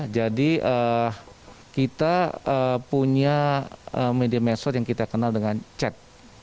kita punya media mesot yang kita kenal dengan chat